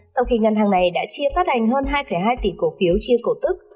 sau khi ngân hàng này đã chia phát hành hơn hai hai tỷ cổ phiếu chia cổ tức